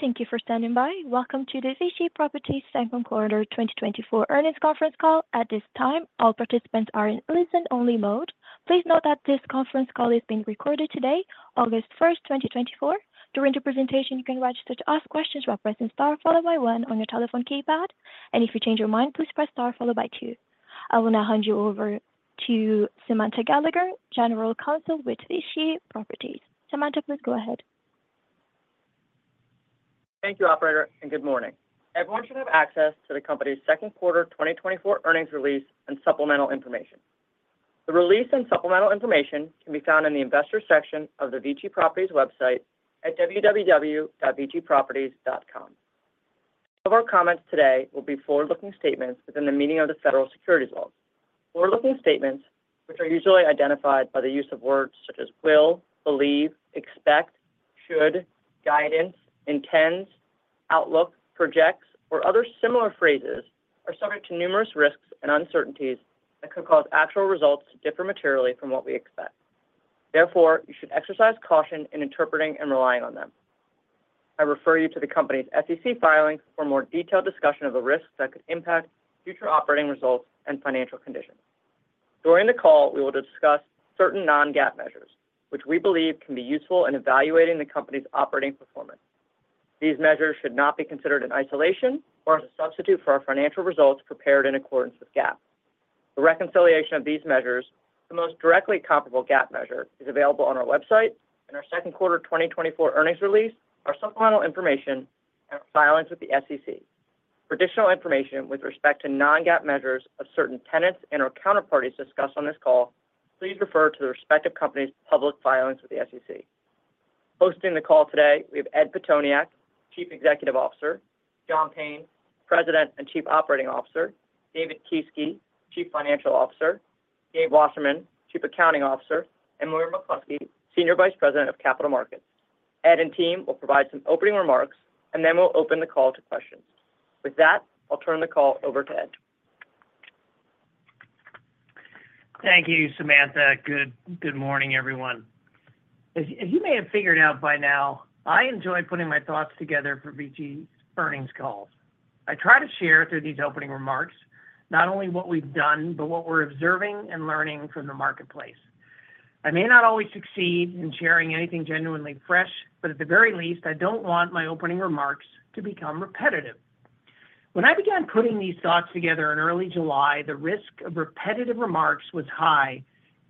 Well, thank you for standing by. Welcome to the VICI Properties second quarter 2024 earnings conference call. At this time, all participants are in listen-only mode. Please note that this conference call is being recorded today, August 1st, 2024. During the presentation, you can register to ask questions by pressing Star followed by one on your telephone keypad. If you change your mind, please press Star followed by two. I will now hand you over to Samantha Gallagher, General Counsel with VICI Properties. Samantha, please go ahead. Thank you, operator, and good morning. Everyone should have access to the company's second quarter 2024 earnings release and supplemental information. The release and supplemental information can be found in the investor section of the VICI Properties website at www.viciproperties.com. Some of our comments today will be forward-looking statements within the meaning of the federal securities laws. Forward-looking statements, which are usually identified by the use of words such as will, believe, expect, should, guidance, intends, outlook, projects, or other similar phrases, are subject to numerous risks and uncertainties that could cause actual results to differ materially from what we expect. Therefore, you should exercise caution in interpreting and relying on them. I refer you to the company's SEC filings for more detailed discussion of the risks that could impact future operating results and financial conditions. During the call, we will discuss certain non-GAAP measures, which we believe can be useful in evaluating the company's operating performance. These measures should not be considered in isolation or as a substitute for our financial results prepared in accordance with GAAP. The reconciliation of these measures, the most directly comparable GAAP measure, is available on our website in our second quarter 2024 earnings release, our supplemental information, and our filings with the SEC. For additional information with respect to non-GAAP measures of certain tenants and/or counterparties discussed on this call, please refer to the respective company's public filings with the SEC. Hosting the call today, we have Ed Pitoniak, Chief Executive Officer, John Payne, President and Chief Operating Officer, David Kieske, Chief Financial Officer, Gabe Wasserman, Chief Accounting Officer, and Laurie McCluskey, Senior Vice President of Capital Markets. Ed and team will provide some opening remarks, and then we'll open the call to questions. With that, I'll turn the call over to Ed. Thank you, Samantha. Good morning, everyone. As you may have figured out by now, I enjoy putting my thoughts together for VICI's earnings calls. I try to share through these opening remarks, not only what we've done, but what we're observing and learning from the marketplace. I may not always succeed in sharing anything genuinely fresh, but at the very least, I don't want my opening remarks to become repetitive. When I began putting these thoughts together in early July, the risk of repetitive remarks was high,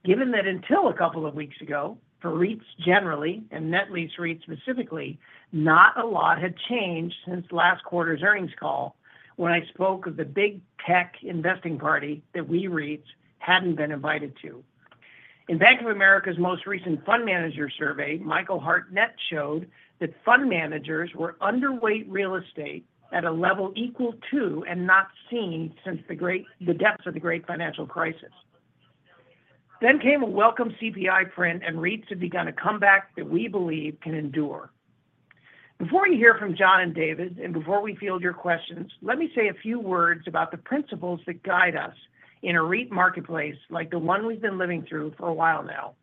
given that until a couple of weeks ago, for REITs generally, and net lease REITs specifically, not a lot had changed since last quarter's earnings call, when I spoke of the big tech investing party that we, REITs, hadn't been invited to. In Bank of America's most recent fund manager survey, Michael Hartnett showed that fund managers were underweight real estate at a level equal to and not seen since the depths of the great financial crisis. Then came a welcome CPI print, and REITs have begun a comeback that we believe can endure. Before you hear from John and David, and before we field your questions, let me say a few words about the principles that guide us in a REIT marketplace like the one we've been living through for a while now.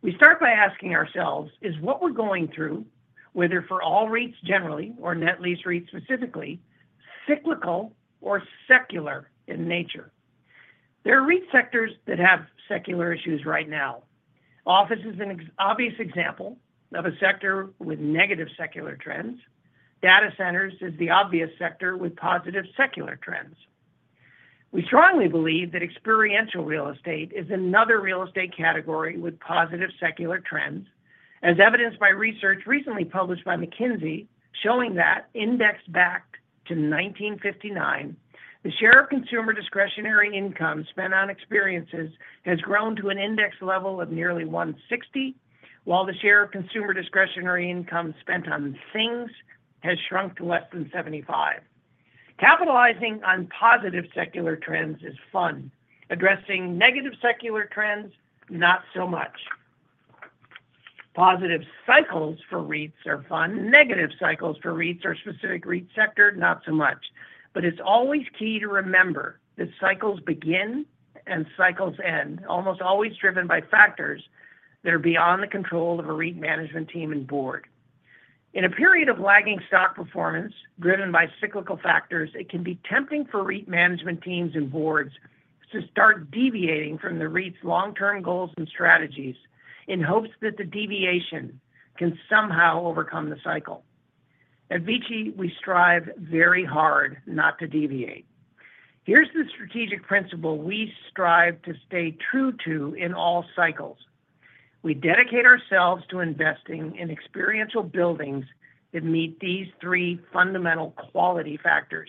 We start by asking ourselves, is what we're going through, whether for all REITs generally or net lease REITs specifically, cyclical or secular in nature? There are REIT sectors that have secular issues right now. Office is an obvious example of a sector with negative secular trends. Data centers is the obvious sector with positive secular trends. We strongly believe that experiential real estate is another real estate category with positive secular trends, as evidenced by research recently published by McKinsey, showing that indexed back to 1959, the share of consumer discretionary income spent on experiences has grown to an index level of nearly 160, while the share of consumer discretionary income spent on things has shrunk to less than 75. Capitalizing on positive secular trends is fun. Addressing negative secular trends, not so much. Positive cycles for REITs are fun. Negative cycles for REITs or a specific REIT sector, not so much. But it's always key to remember that cycles begin and cycles end, almost always driven by factors that are beyond the control of a REIT management team and board. In a period of lagging stock performance driven by cyclical factors, it can be tempting for REIT management teams and boards to start deviating from the REIT's long-term goals and strategies in hopes that the deviation can somehow overcome the cycle. At VICI, we strive very hard not to deviate. Here's the strategic principle we strive to stay true to in all cycles. We dedicate ourselves to investing in experiential buildings that meet these three fundamental quality factors: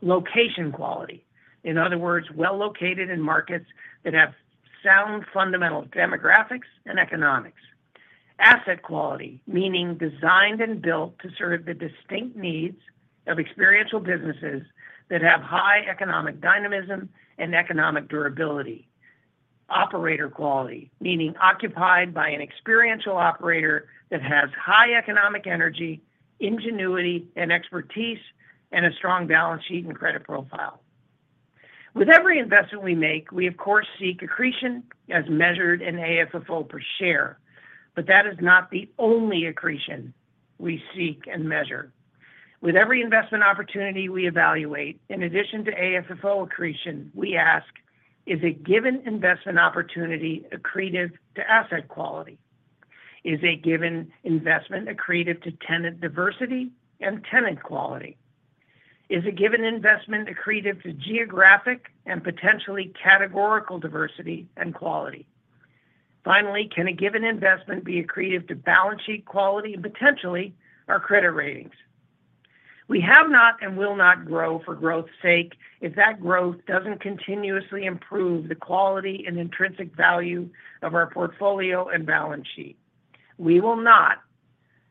location quality, in other words, well located in markets that have sound fundamental demographics and economics. Asset quality, meaning designed and built to serve the distinct needs of experiential businesses that have high economic dynamism and economic durability. Operator quality, meaning occupied by an experiential operator that has high economic energy, ingenuity, and expertise, and a strong balance sheet and credit profile. With every investment we make, we of course, seek accretion as measured in AFFO per share, but that is not the only accretion we seek and measure. With every investment opportunity we evaluate, in addition to AFFO accretion, we ask, is a given investment opportunity accretive to asset quality? Is a given investment accretive to tenant diversity and tenant quality? Is a given investment accretive to geographic and potentially categorical diversity and quality? Finally, can a given investment be accretive to balance sheet quality and potentially our credit ratings? We have not and will not grow for growth's sake, if that growth doesn't continuously improve the quality and intrinsic value of our portfolio and balance sheet. We will not,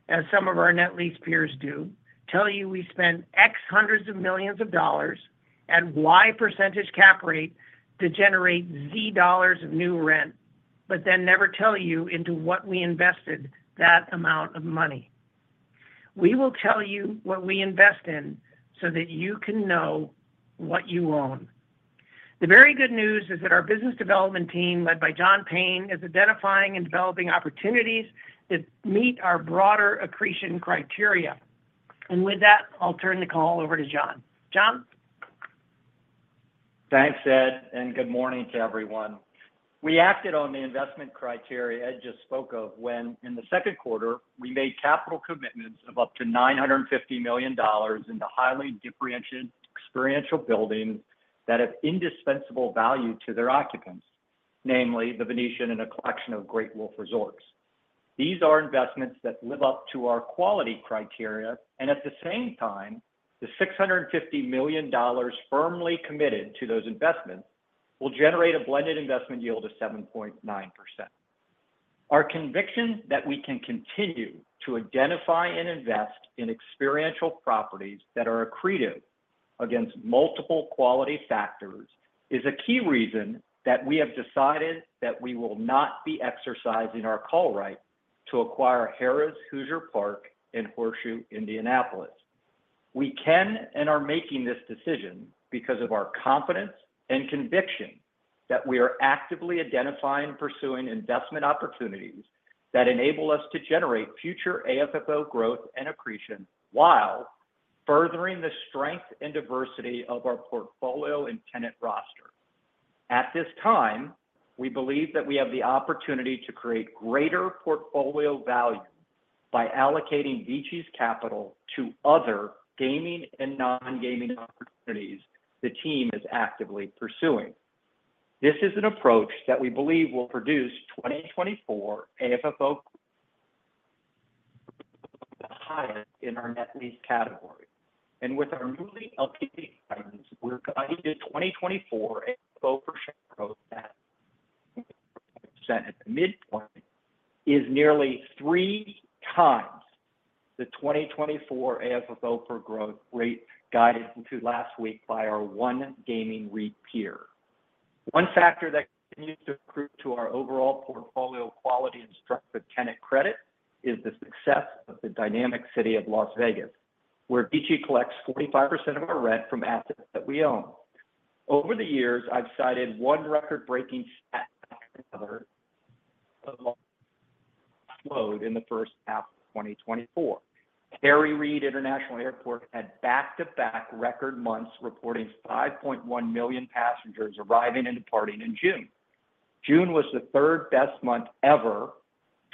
as some of our net lease peers do, tell you we spend $X hundreds of millions at Y% cap rate to generate $Z of new rent, but then never tell you into what we invested that amount of money. We will tell you what we invest in so that you can know what you own. The very good news is that our business development team, led by John Payne, is identifying and developing opportunities that meet our broader accretion criteria. With that, I'll turn the call over to John. John? Thanks, Ed, and good morning to everyone. We acted on the investment criteria Ed just spoke of, when in the second quarter, we made capital commitments of up to $950 million into highly differentiated experiential buildings that have indispensable value to their occupants, namely The Venetian and a collection of Great Wolf Resorts. These are investments that live up to our quality criteria, and at the same time, the $650 million firmly committed to those investments will generate a blended investment yield of 7.9%. Our conviction that we can continue to identify and invest in experiential properties that are accretive against multiple quality factors, is a key reason that we have decided that we will not be exercising our call right to acquire Harrah's Hoosier Park and Horseshoe Indianapolis. We can and are making this decision because of our confidence and conviction that we are actively identifying and pursuing investment opportunities that enable us to generate future AFFO growth and accretion, while furthering the strength and diversity of our portfolio and tenant roster. At this time, we believe that we have the opportunity to create greater portfolio value by allocating VICI's capital to other gaming and non-gaming opportunities the team is actively pursuing. This is an approach that we believe will produce 2024 AFFO the highest in our net lease category. And with our newly LP items, we're guided to 2024 AFFO per share growth at percent at the midpoint, is nearly three times the 2024 AFFO per growth rate guidance into last week by our one gaming REIT peer. One factor that continues to accrue to our overall portfolio quality and strength with tenant credit is the success of the dynamic city of Las Vegas, where VICI collects 45% of our rent from assets that we own. Over the years, I've cited one record-breaking stat after another load in the first half of 2024. Harry Reid International Airport had back-to-back record months, reporting 5.1 million passengers arriving and departing in June. June was the third best month ever,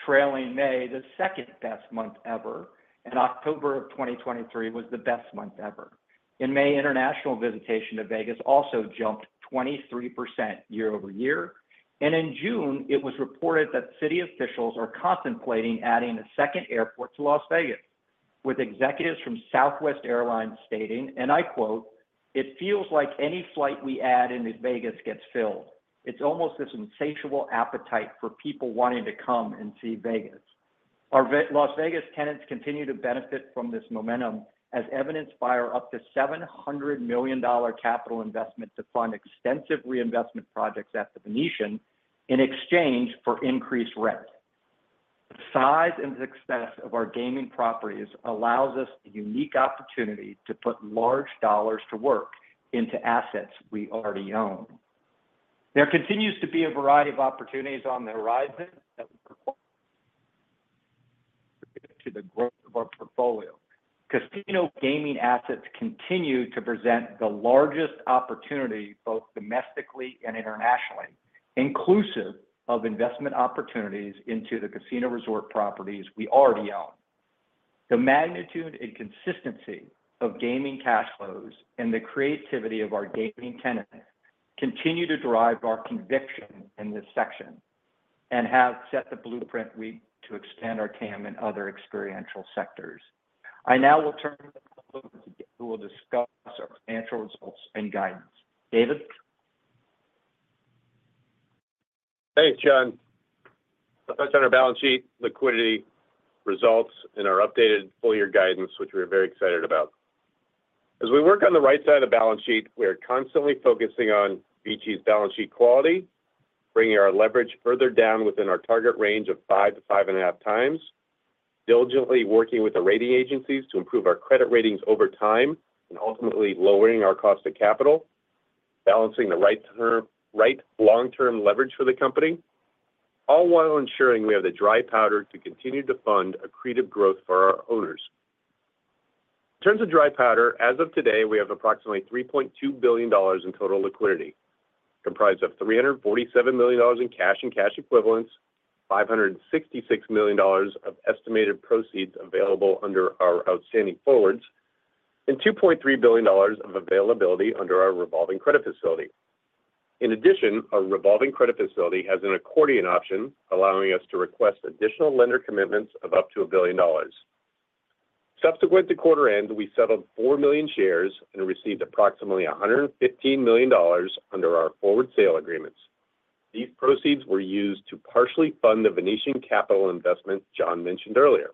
trailing May, the second best month ever, and October of 2023 was the best month ever. In May, international visitation to Vegas also jumped 23% year-over-year, and in June, it was reported that city officials are contemplating adding a second airport to Las Vegas, with executives from Southwest Airlines stating, and I quote, "It feels like any flight we add into Vegas gets filled. It's almost this insatiable appetite for people wanting to come and see Vegas." Our Las Vegas tenants continue to benefit from this momentum, as evidenced by our up to $700 million capital investment to fund extensive reinvestment projects at The Venetian in exchange for increased rent. The size and success of our gaming properties allows us the unique opportunity to put large dollars to work into assets we already own. There continues to be a variety of opportunities on the horizon that we propose to the growth of our portfolio. Casino gaming assets continue to present the largest opportunity, both domestically and internationally, inclusive of investment opportunities into the casino resort properties we already own. The magnitude and consistency of gaming cash flows and the creativity of our gaming tenants, continue to drive our conviction in this section, and have set the blueprint to extend our TAM in other experiential sectors. I now will turn to David who will discuss our financial results and guidance. David? Thanks, John. First on our balance sheet, liquidity results in our updated full year guidance, which we're very excited about. As we work on the right side of the balance sheet, we are constantly focusing on VICI's balance sheet quality, bringing our leverage further down within our target range of 5-5.5 times, diligently working with the rating agencies to improve our credit ratings over time and ultimately lowering our cost of capital, balancing the right term, right long-term leverage for the company, all while ensuring we have the dry powder to continue to fund accretive growth for our owners. In terms of dry powder, as of today, we have approximately $3.2 billion in total liquidity, comprised of $347 million in cash and cash equivalents, $566 million of estimated proceeds available under our outstanding forwards, and $2.3 billion of availability under our revolving credit facility. In addition, our revolving credit facility has an accordion option, allowing us to request additional lender commitments of up to $1 billion. Subsequent to quarter end, we settled 4 million shares and received approximately $115 million under our forward sale agreements. These proceeds were used to partially fund the Venetian capital investment John mentioned earlier.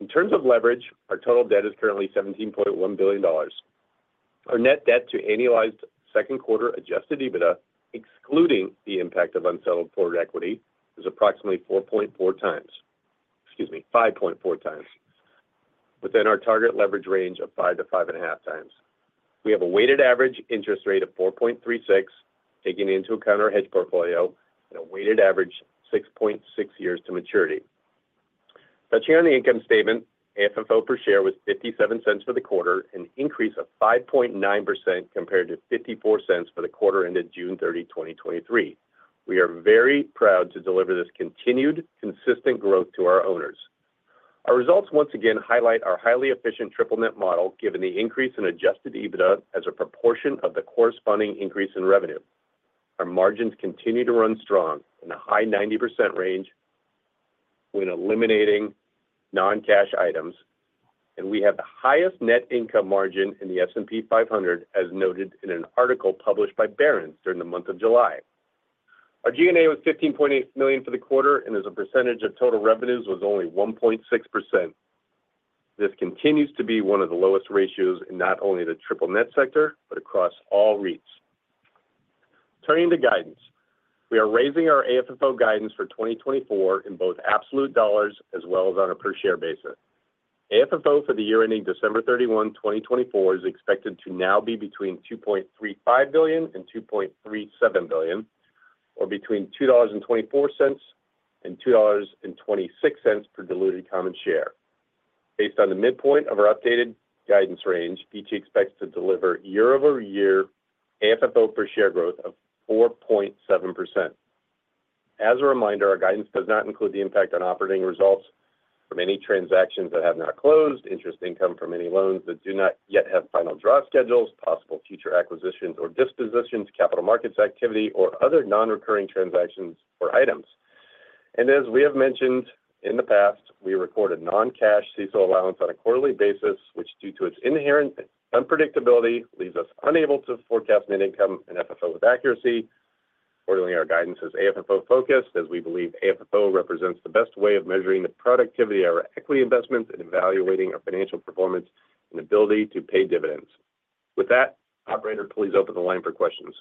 In terms of leverage, our total debt is currently $17.1 billion. Our net debt to annualized second quarter adjusted EBITDA, excluding the impact of unsettled forward equity, is approximately 4.4 times—excuse me, 5.4 times, within our target leverage range of 5-5.5 times. We have a weighted average interest rate of 4.36, taking into account our hedge portfolio and a weighted average 6.6 years to maturity. Touching on the income statement, AFFO per share was $0.57 for the quarter, an increase of 5.9% compared to $0.54 for the quarter ended June 30th, 2023. We are very proud to deliver this continued consistent growth to our owners. Our results once again highlight our highly efficient triple net model, given the increase in adjusted EBITDA as a proportion of the corresponding increase in revenue. Our margins continue to run strong in a high 90% range when eliminating non-cash items, and we have the highest net income margin in the S&P 500, as noted in an article published by Barron's during the month of July. Our G&A was $15.8 million for the quarter, and as a percentage of total revenues, was only 1.6%. This continues to be one of the lowest ratios in not only the triple net sector, but across all REITs. Turning to guidance. We are raising our AFFO guidance for 2024 in both absolute dollars as well as on a per share basis. AFFO for the year ending December 31st, 2024, is expected to now be between $2.35 billion and $2.37 billion, or between $2.24 and $2.26 per diluted common share. Based on the midpoint of our updated guidance range, VICI expects to deliver year-over-year AFFO per share growth of 4.7%. As a reminder, our guidance does not include the impact on operating results from any transactions that have not closed, interest income from any loans that do not yet have final draw schedules, possible future acquisitions or dispositions, capital markets activity, or other non-recurring transactions or items. And as we have mentioned in the past, we record a non-cash CECL allowance on a quarterly basis, which, due to its inherent unpredictability, leaves us unable to forecast net income and AFFO with accuracy. Accordingly, our guidance is AFFO focused, as we believe AFFO represents the best way of measuring the productivity of our equity investments and evaluating our financial performance and ability to pay dividends. With that, operator, please open the line for questions.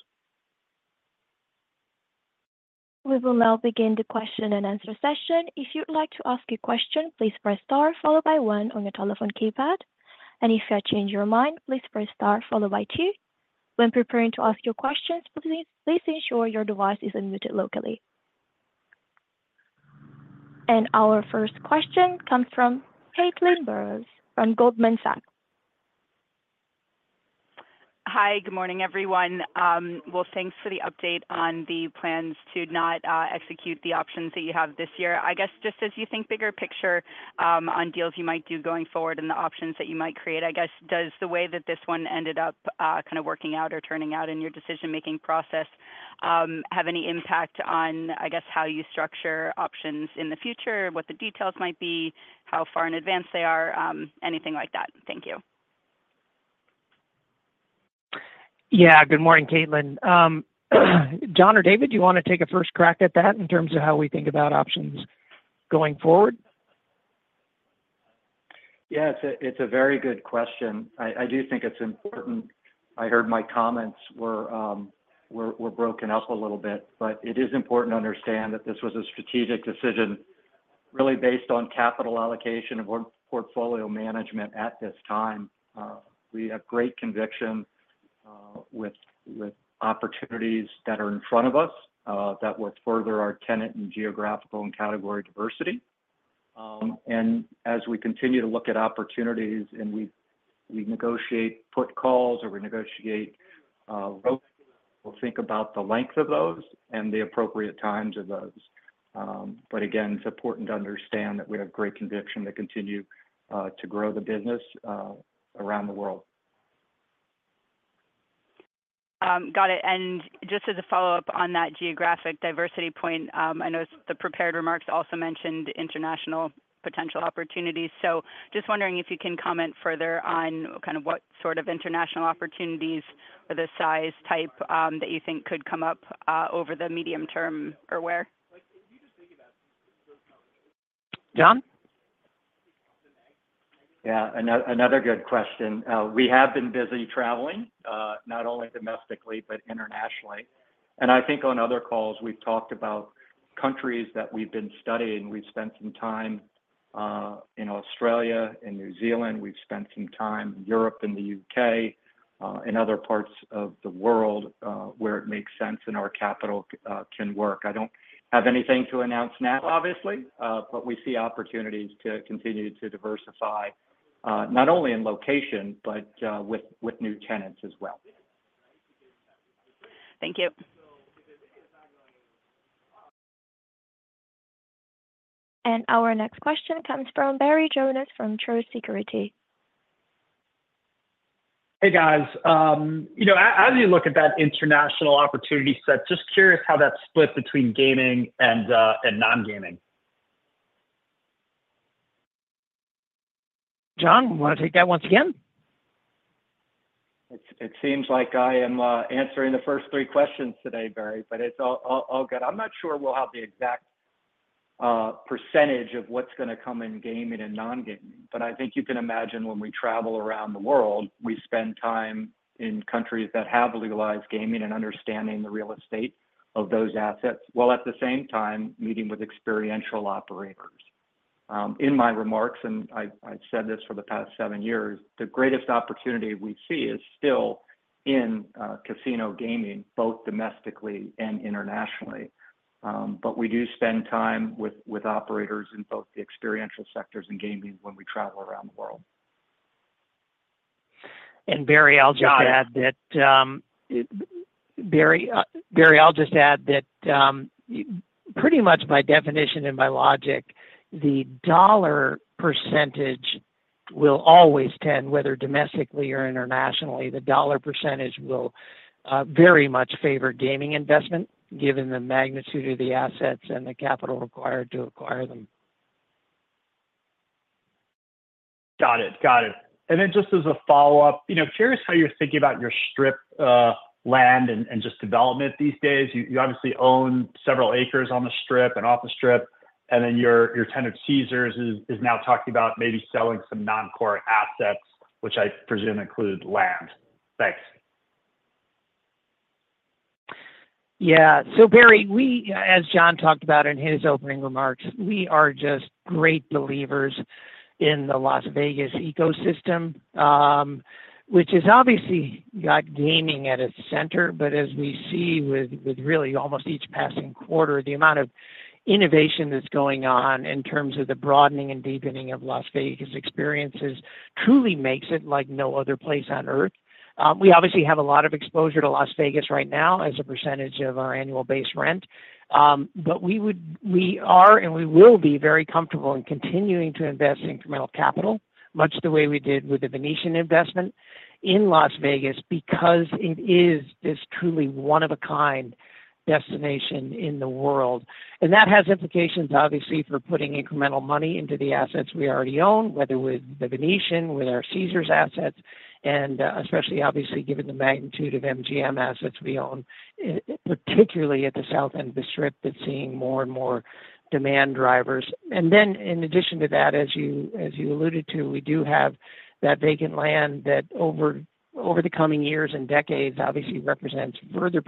We will now begin the question and answer session. If you'd like to ask a question, please press star followed by one on your telephone keypad. And if you change your mind, please press star followed by two. When preparing to ask your questions, please, please ensure your device is unmuted locally. And our first question comes from Caitlin Burrows from Goldman Sachs. Hi, good morning, everyone. Well, thanks for the update on the plans to not execute the options that you have this year. I guess, just as you think bigger picture, on deals you might do going forward and the options that you might create, I guess, does the way that this one ended up kind of working out or turning out in your decision-making process have any impact on, I guess, how you structure options in the future, what the details might be, how far in advance they are, anything like that? Thank you. Yeah. Good morning, Caitlin. John or David, do you want to take a first crack at that in terms of how we think about options going forward? Yes, it's a very good question. I do think it's important. I heard my comments were broken up a little bit, but it is important to understand that this was a strategic decision, really based on capital allocation and portfolio management at this time. We have great conviction with opportunities that are in front of us that would further our tenant and geographical and category diversity. And as we continue to look at opportunities and we negotiate put calls or we negotiate ROFRs, we'll think about the length of those and the appropriate terms of those. But again, it's important to understand that we have great conviction to continue to grow the business around the world. Got it. Just as a follow-up on that geographic diversity point, I know the prepared remarks also mentioned international potential opportunities. Just wondering if you can comment further on kind of what sort of international opportunities or the size type, that you think could come up, over the medium term or where? John? ... Yeah, another good question. We have been busy traveling, not only domestically but internationally. I think on other calls, we've talked about countries that we've been studying. We've spent some time in Australia and New Zealand. We've spent some time in Europe and the U.K., in other parts of the world, where it makes sense and our capital can work. I don't have anything to announce now, obviously, but we see opportunities to continue to diversify, not only in location, but with new tenants as well. Thank you. Our next question comes from Barry Jonas from Truist Securities. Hey, guys. You know, as you look at that international opportunity set, just curious how that's split between gaming and non-gaming? John, you wanna take that once again? It seems like I am answering the first three questions today, Barry, but it's all good. I'm not sure we'll have the exact percentage of what's gonna come in gaming and non-gaming, but I think you can imagine when we travel around the world, we spend time in countries that have legalized gaming and understanding the real estate of those assets, while at the same time meeting with experiential operators. In my remarks, and I've said this for the past seven years, the greatest opportunity we see is still in casino gaming, both domestically and internationally. But we do spend time with operators in both the experiential sectors and gaming when we travel around the world. Barry, I'll just add that, pretty much by definition and by logic, the dollar percentage will always tend, whether domestically or internationally, the dollar percentage will, very much favor gaming investment, given the magnitude of the assets and the capital required to acquire them. Got it. Got it. And then just as a follow-up, you know, curious how you're thinking about your Strip, land and just development these days. You obviously own several acres on the Strip and off the Strip, and then your tenant, Caesars, is now talking about maybe selling some non-core assets, which I presume include land. Thanks. Yeah. So Barry, as John talked about in his opening remarks, we are just great believers in the Las Vegas ecosystem, which is obviously got gaming at its center. But as we see with, with really almost each passing quarter, the amount of innovation that's going on in terms of the broadening and deepening of Las Vegas experiences truly makes it like no other place on earth. We obviously have a lot of exposure to Las Vegas right now as a percentage of our annual base rent. But we would-- we are and we will be very comfortable in continuing to invest incremental capital, much the way we did with the Venetian investment in Las Vegas, because it is this truly one-of-a-kind destination in the world. And that has implications, obviously, for putting incremental money into the assets we already own, whether with the Venetian, with our Caesars assets, and, especially obviously, given the magnitude of MGM assets we own, particularly at the South end of the Strip, that's seeing more and more demand drivers. And then in addition to that, as you alluded to, we do have that vacant land that over the coming years and decades, obviously represents further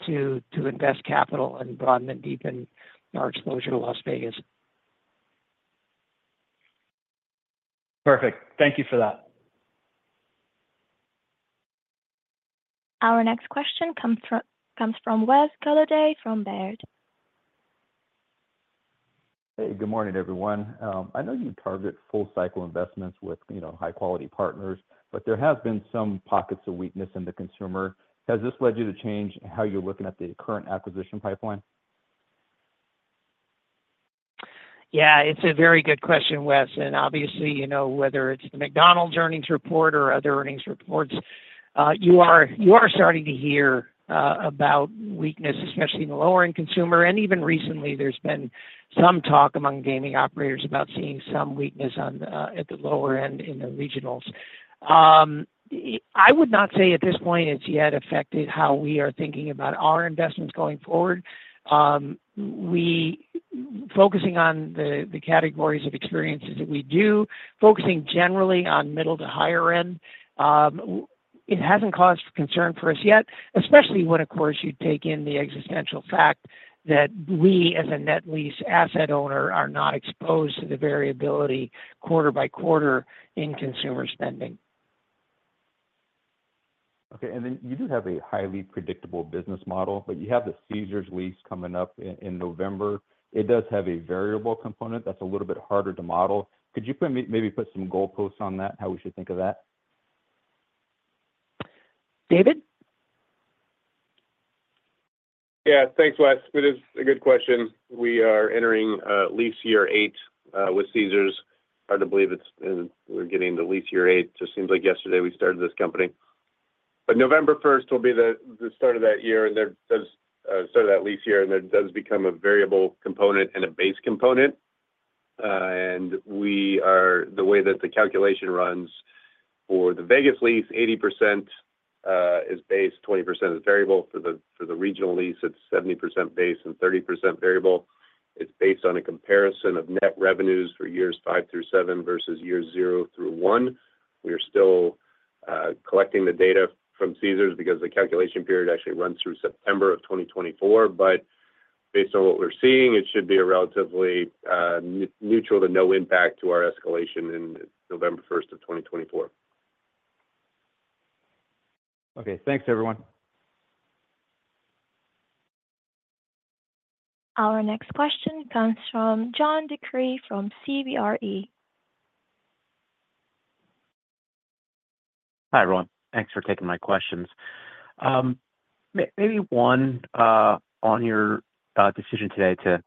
potential to invest capital and broaden and deepen our exposure to Las Vegas. Perfect. Thank you for that. Our next question comes from Wes Golladay from Baird. Hey, good morning, everyone. I know you target full cycle investments with, you know, high quality partners, but there has been some pockets of weakness in the consumer. Has this led you to change how you're looking at the current acquisition pipeline? Yeah, it's a very good question, Wes. And obviously, you know, whether it's the McDonald's earnings report or other earnings reports, you are starting to hear about weakness, especially in the lower-end consumer. And even recently, there's been some talk among gaming operators about seeing some weakness at the lower end in the regionals. I would not say at this point, it's yet affected how we are thinking about our investments going forward. We, focusing on the categories of experiences that we do, focusing generally on middle to higher end, it hasn't caused concern for us yet, especially when, of course, you take in the existential fact that we, as a net lease asset owner, are not exposed to the variability quarter by quarter in consumer spending. Okay. And then you do have a highly predictable business model, but you have the Caesars lease coming up in November. It does have a variable component that's a little bit harder to model. Could you maybe put some goalposts on that, how we should think of that? David? Yeah. Thanks, Wes. It is a good question. We are entering lease year eight with Caesars. Hard to believe it's we're getting to lease year eight. Just seems like yesterday we started this company. But November first will be the start of that year, and there does become a variable component and a base component. And the way that the calculation runs, ...For the Vegas lease, 80% is base, 20% is variable. For the regional lease, it's 70% base and 30% variable. It's based on a comparison of net revenues for years five through seven, versus years zero through one. We are still collecting the data from Caesars, because the calculation period actually runs through September 2024. But based on what we're seeing, it should be a relatively neutral to no impact to our escalation in November 1st, 2024. Okay, thanks, everyone. Our next question comes from John DeCree from CBRE. Hi, everyone. Thanks for taking my questions. Maybe one on your decision today to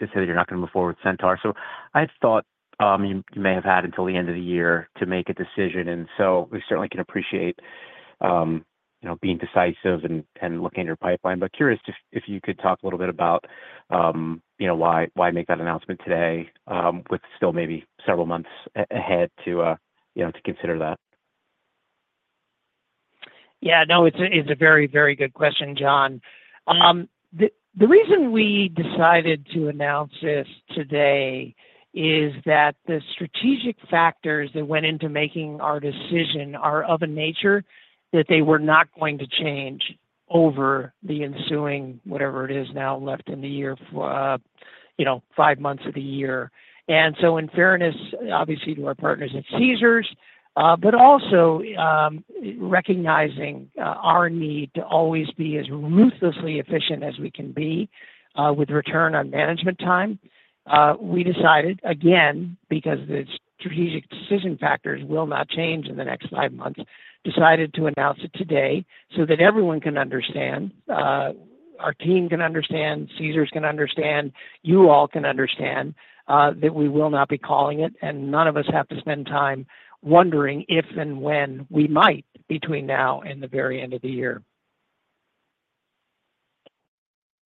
say that you're not gonna move forward with Centaur. So I'd thought you may have had until the end of the year to make a decision, and so we certainly can appreciate you know, being decisive and looking at your pipeline. But curious, just if you could talk a little bit about you know, why make that announcement today with still maybe several months ahead to you know, to consider that? Yeah. No, it's a very, very good question, John. The reason we decided to announce this today is that the strategic factors that went into making our decision are of a nature that they were not going to change over the ensuing, whatever it is now left in the year for, you know, five months of the year. And so in fairness, obviously, to our partners at Caesars, but also, recognizing our need to always be as ruthlessly efficient as we can be, with return on management time, we decided, again, because the strategic decision factors will not change in the next five months, decided to announce it today so that everyone can understand, our team can understand, Caesars can understand, you all can understand, that we will not be calling it. None of us have to spend time wondering if and when we might between now and the very end of the year.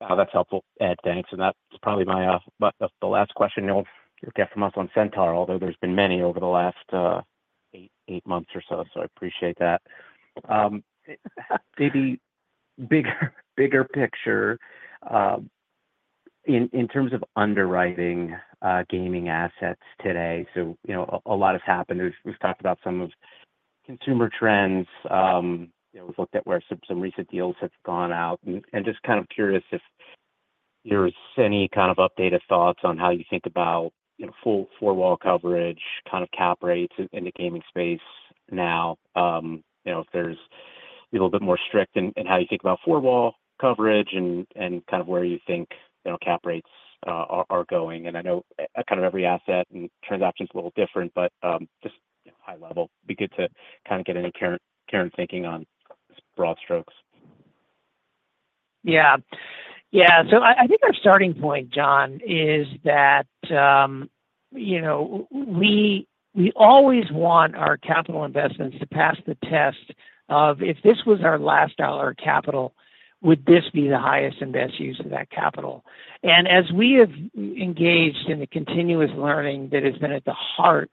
Wow, that's helpful, Ed. Thanks. And that's probably my-- the last question you'll get from us on Centaur, although there's been many over the last eight months or so, so I appreciate that. Maybe bigger picture, in terms of underwriting gaming assets today. So, you know, a lot has happened. We've talked about some of consumer trends. You know, we've looked at where some recent deals have gone out. And just kind of curious if there's any kind of updated thoughts on how you think about, you know, full four wall coverage, kind of cap rates in the gaming space now. You know, if there's a little bit more strict in how you think about four wall coverage and kind of where you think, you know, cap rates are going. I know kind of every asset and transaction is a little different, but, just high level, be good to kind of get any current, current thinking on broad strokes. Yeah. Yeah. So I think our starting point, John, is that, you know, we always want our capital investments to pass the test of: If this was our last dollar of capital, would this be the highest and best use of that capital? And as we have engaged in the continuous learning that has been at the heart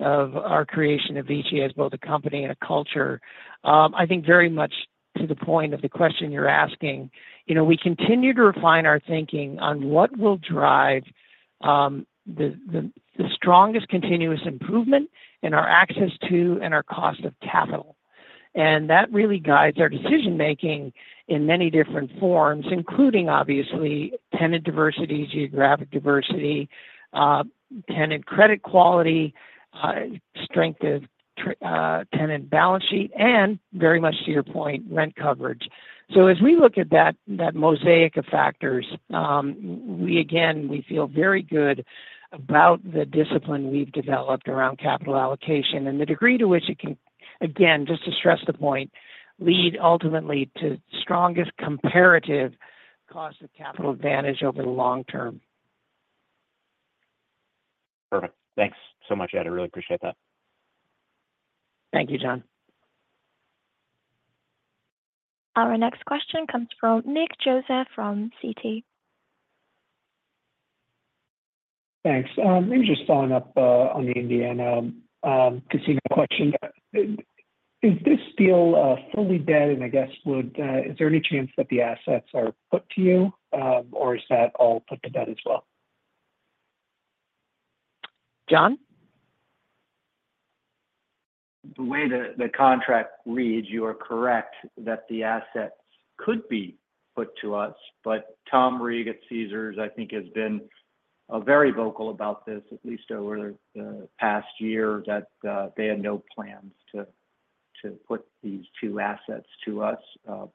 of our creation of VICI as both a company and a culture, I think very much to the point of the question you're asking, you know, we continue to refine our thinking on what will drive the strongest continuous improvement in our access to and our cost of capital. That really guides our decision making in many different forms, including, obviously, tenant diversity, geographic diversity, tenant credit quality, strength of tenant balance sheet, and very much to your point, rent coverage. As we look at that mosaic of factors, we again feel very good about the discipline we've developed around capital allocation and the degree to which it can, again, just to stress the point, lead ultimately to strongest comparative cost of capital advantage over the long term. Perfect. Thanks so much, Ed. I really appreciate that. Thank you, John. Our next question comes from Nick Joseph from Citi. Thanks. Maybe just following up on the Indiana to see the question. Is this deal fully dead? And I guess, is there any chance that the assets are put to you, or is that all put to bed as well? John? The way the contract reads, you are correct that the assets could be put to us. But Tom Reeg at Caesars, I think, has been very vocal about this, at least over the past year, that they had no plans to put these two assets to us.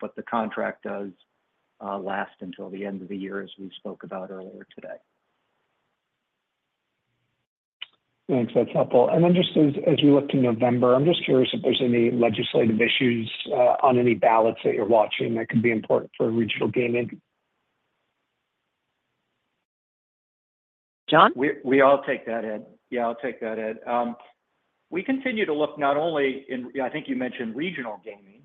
But the contract does last until the end of the year, as we spoke about earlier today. Thanks. That's helpful. And then just as, as we look to November, I'm just curious if there's any legislative issues on any ballots that you're watching that could be important for regional gaming? John? We all take that, Ed. Yeah, I'll take that, Ed. We continue to look not only in, I think you mentioned regional gaming,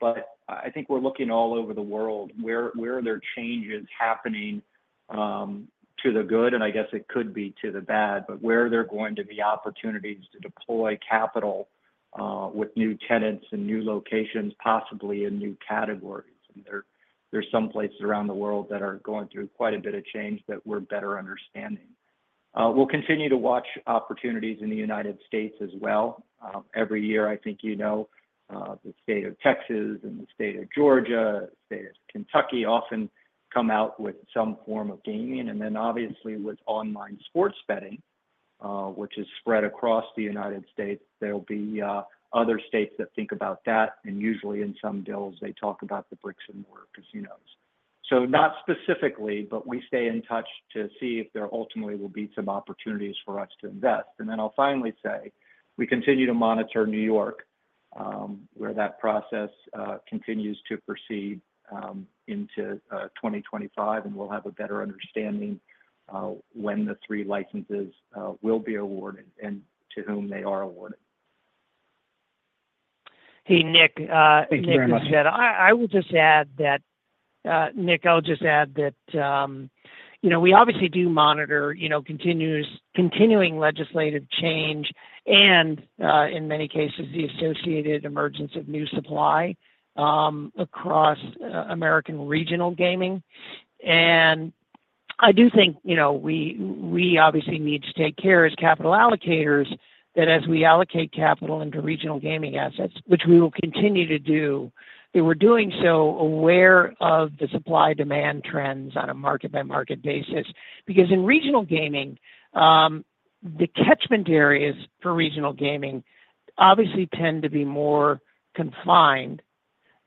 but I think we're looking all over the world, where are there changes happening, to the good, and I guess it could be to the bad, but where there are going to be opportunities to deploy capital, with new tenants and new locations, possibly in new categories? And there's some places around the world that are going through quite a bit of change that we're better understanding. We'll continue to watch opportunities in the United States as well. Every year, I think you know, the state of Texas and the state of Georgia, state of Kentucky, often come out with some form of gaming. And then obviously, with online sports betting, which is spread across the United States, there'll be other states that think about that, and usually in some deals, they talk about the bricks and mortar casinos. So not specifically, but we stay in touch to see if there ultimately will be some opportunities for us to invest. And then I'll finally say, we continue to monitor New York, where that process continues to proceed into 2025, and we'll have a better understanding of when the three licenses will be awarded and to whom they are awarded. Hey, Nick, Thank you very much. Nick, I'll just add that, you know, we obviously do monitor, you know, continuing legislative change and, in many cases, the associated emergence of new supply, across American regional gaming. And I do think, you know, we obviously need to take care as capital allocators, that as we allocate capital into regional gaming assets, which we will continue to do, that we're doing so aware of the supply-demand trends on a market-by-market basis. Because in regional gaming, the catchment areas for regional gaming obviously tend to be more confined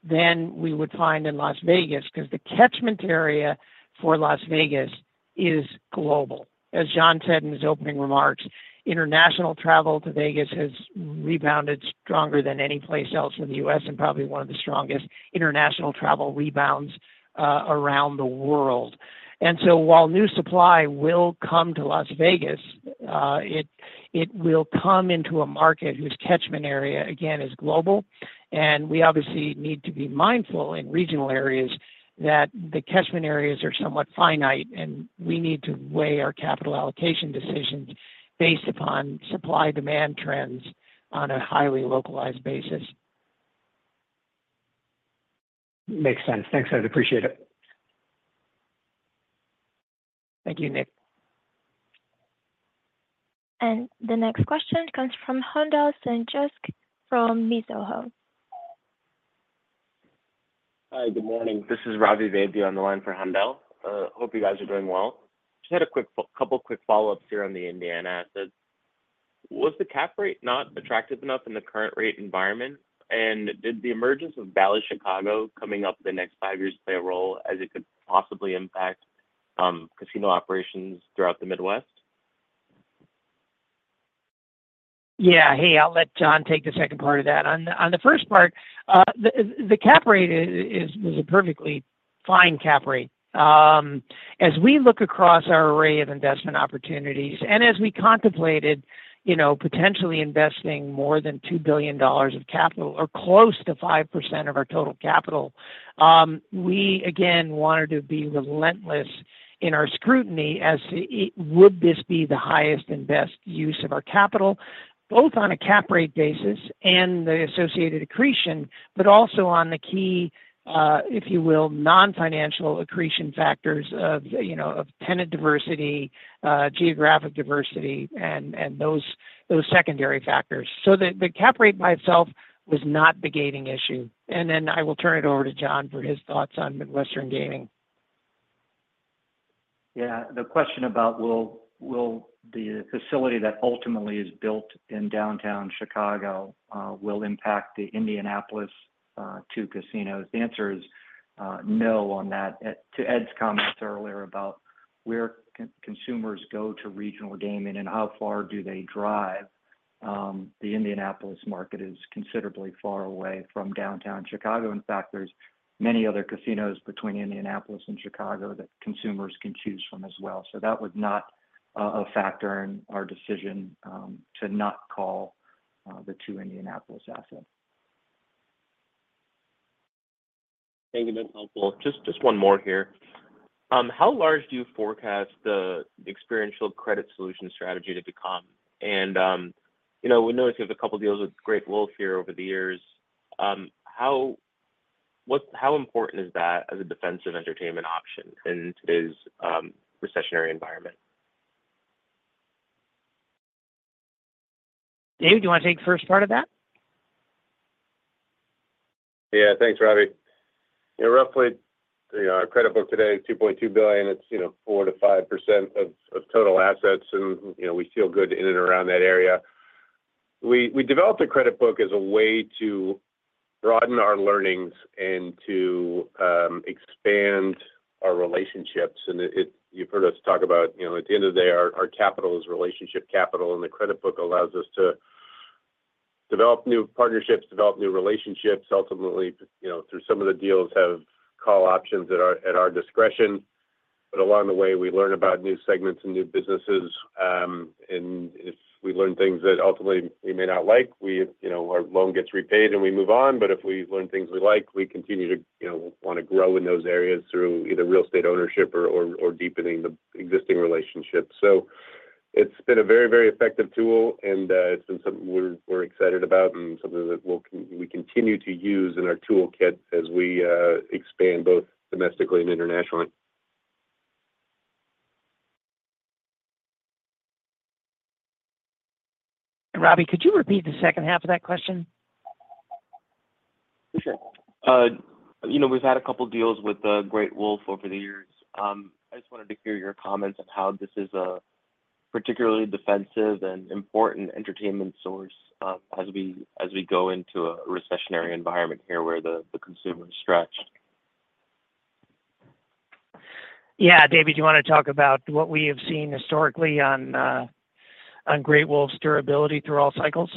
than we would find in Las Vegas, because the catchment area for Las Vegas is global. As John said in his opening remarks, international travel to Vegas has rebounded stronger than any place else in the U.S., and probably one of the strongest international travel rebounds around the world. And so while new supply will come to Las Vegas, it will come into a market whose catchment area, again, is global. And we obviously need to be mindful in regional areas that the catchment areas are somewhat finite, and we need to weigh our capital allocation decisions based upon supply-demand trends on a highly localized basis. Makes sense. Thanks, Ed. Appreciate it. Thank you, Nick. The next question comes from Handel St. Juste from Mizuho. Hi, good morning. This is Ravi Vaidya on the line for Haendel. Hope you guys are doing well. Just had a couple of quick follow-ups here on the Indiana assets. Was the cap rate not attractive enough in the current rate environment? And did the emergence of Bally's Chicago coming up in the next five years play a role, as it could possibly impact casino operations throughout the Midwest? Yeah. Hey, I'll let John take the second part of that. On the first part, the cap rate is a perfectly fine cap rate. As we look across our array of investment opportunities, and as we contemplated, you know, potentially investing more than $2 billion of capital or close to 5% of our total capital, we, again, wanted to be relentless in our scrutiny as to, would this be the highest and best use of our capital, both on a cap rate basis and the associated accretion, but also on the key, if you will, non-financial accretion factors of, you know, of tenant diversity, geographic diversity and those secondary factors. So the cap rate by itself was not the gating issue. And then I will turn it over to John for his thoughts on Midwestern gaming. Yeah, the question about will the facility that ultimately is built in downtown Chicago will impact the Indianapolis two casinos? The answer is no on that. To Ed's comments earlier about where consumers go to regional gaming and how far do they drive, the Indianapolis market is considerably far away from downtown Chicago. In fact, there's many other casinos between Indianapolis and Chicago that consumers can choose from as well. So that was not a factor in our decision to not call the two Indianapolis assets. Thank you. That's helpful. Just, just one more here. How large do you forecast the Experiential Credit Solutions strategy to become? And, you know, we notice you have a couple of deals with Great Wolf here over the years. How—what—how important is that as a defensive entertainment option in today's recessionary environment? Dave, do you want to take the first part of that? Yeah. Thanks, Ravi. Yeah, roughly, the credit book today is $2.2 billion. It's, you know, 4%-5% of total assets, and, you know, we feel good in and around that area. We developed a credit book as a way to broaden our learnings and to expand our relationships. You've heard us talk about, you know, at the end of the day, our capital is relationship capital, and the credit book allows us to develop new partnerships, develop new relationships, ultimately, you know, through some of the deals, have call options at our discretion. But along the way, we learn about new segments and new businesses, and if we learn things that ultimately we may not like, we, you know, our loan gets repaid and we move on. But if we learn things we like, we continue to, you know, wanna grow in those areas through either real estate ownership or, or, deepening the existing relationship. So it's been a very, very effective tool, and it's been something we're excited about and something that we'll continue to use in our toolkit as we expand both domestically and internationally. Ravi, could you repeat the second half of that question? Sure. You know, we've had a couple deals with Great Wolf over the years. I just wanted to hear your comments on how this is a particularly defensive and important entertainment source, as we, as we go into a recessionary environment here where the, the consumer is stretched. Yeah, David, do you wanna talk about what we have seen historically on Great Wolf's durability through all cycles?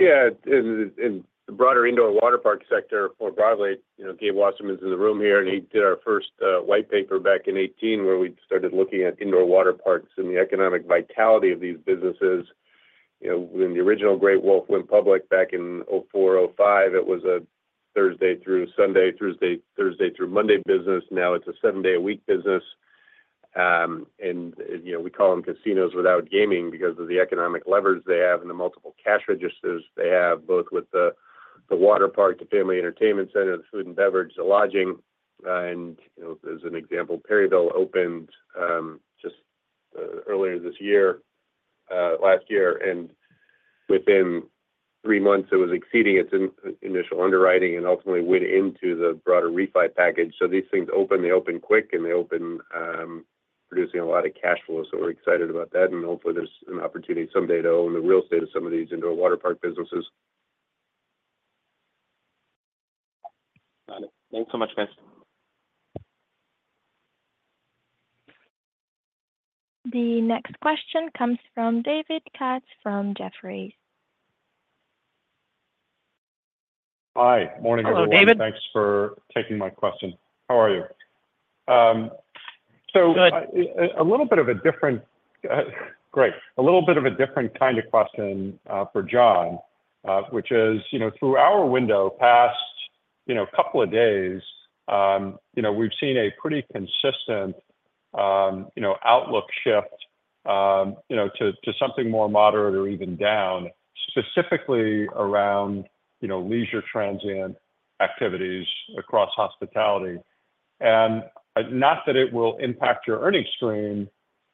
Yeah. In the broader indoor waterpark sector, more broadly, you know, Gabe Wasserman's in the room here, and he did our first white paper back in 2018, where we started looking at indoor waterparks and the economic vitality of these businesses. You know, when the original Great Wolf went public back in 2004, 2005, it was a Thursday through Sunday, Thursday through Monday business. Now it's a seven-day-a-week business. And, you know, we call them casinos without gaming because of the economic levers they have and the multiple cash registers they have, both with the waterpark, the family entertainment center, the food and beverage, the lodging. And you know, as an example, Perryville opened just earlier this year, last year, and within three months, it was exceeding its initial underwriting and ultimately went into the broader refi package. So these things open, they open quick, and they open, producing a lot of cash flow. So we're excited about that, and hopefully, there's an opportunity someday to own the real estate of some of these indoor waterpark businesses. Got it. Thanks so much, guys. The next question comes from David Katz from Jefferies. Hi. Morning, everyone. Hello, David. Thanks for taking my question. How are you? So- Good... A little bit of a different kind of question for John, which is, you know, through our window past couple of days, you know, we've seen a pretty consistent outlook shift to something more moderate or even down, specifically around leisure transient activities across hospitality. And not that it will impact your earnings stream,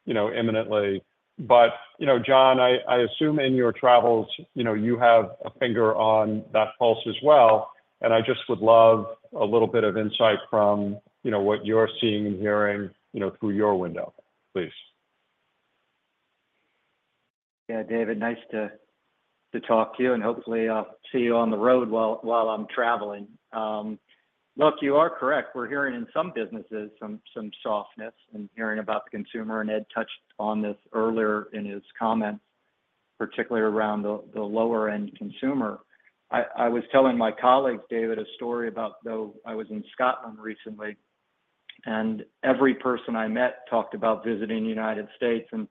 you know, imminently, but, you know, John, I assume in your travels, you know, you have a finger on that pulse as well, and I just would love a little bit of insight from what you're seeing and hearing, you know, through your window, please. Yeah, David, nice to talk to you, and hopefully, I'll see you on the road while I'm traveling. Look, you are correct. We're hearing in some businesses some softness and hearing about the consumer, and Ed touched on this earlier in his comments, particularly around the lower-end consumer. I was telling my colleagues, David, a story about, though, I was in Scotland recently, and every person I met talked about visiting the United States. And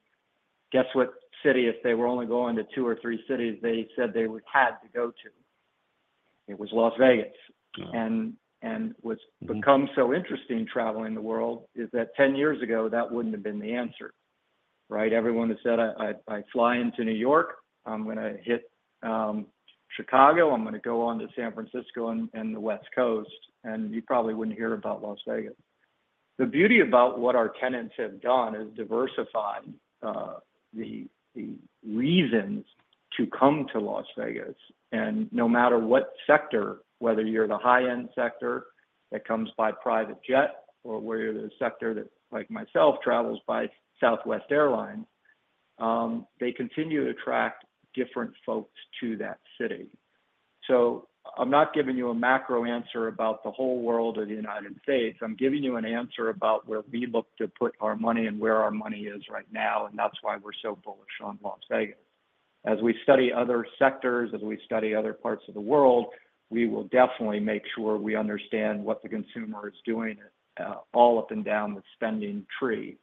guess what city, if they were only going to two or three cities, they said they would had to go to? It was Las Vegas. Oh. What's become so interesting traveling the world is that 10 years ago, that wouldn't have been the answer, right? Everyone had said, "I, I, I fly into New York, I'm gonna hit Chicago, I'm gonna go on to San Francisco and the West Coast," and you probably wouldn't hear about Las Vegas. The beauty about what our tenants have done is diversify the reasons to come to Las Vegas. And no matter what sector, whether you're the high-end sector that comes by private jet or whether you're the sector that, like myself, travels by Southwest Airlines, they continue to attract different folks to that city. So I'm not giving you a macro answer about the whole world or the United States. I'm giving you an answer about where we look to put our money and where our money is right now, and that's why we're so bullish on Las Vegas. As we study other sectors, as we study other parts of the world, we will definitely make sure we understand what the consumer is doing, all up and down the spending tree.